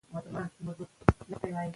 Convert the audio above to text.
که علم په پښتو وي، نو پوهه تل راسره وي.